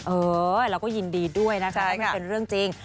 เออเราก็ยินดีด้วยนะคะว่ามันเป็นเรื่องจริง